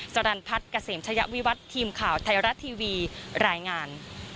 สรรพัฒน์เกษมชะยะวิวัฒน์ทีมข่าวไทยรัฐทีวีรายงาน